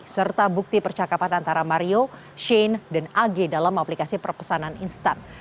serta bukti percakapan antara mario shane dan ag dalam aplikasi perpesanan instan